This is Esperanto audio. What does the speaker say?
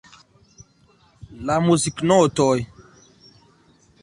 La muziknotoj.